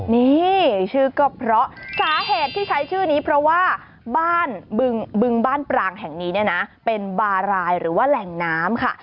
นี่ชื่อก็เพราะสาเหตุที่ใช้ชื่อนี้เพราะว่าบ้านบึงบ้านปรางแห่งนี้เนี่ยนะเป็นบารายหรือว่าแหล่งน้ำค่ะ